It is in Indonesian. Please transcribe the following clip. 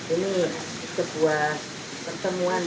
ini sebuah pertemuan